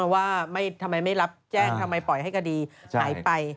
ว่าทำไมไม่รับแจ้งทำไมปล่อยให้คดีหายไป